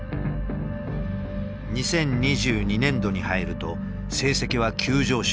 ２０２２年度に入ると成績は急上昇。